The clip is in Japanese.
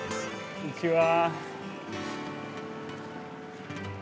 こんにちは。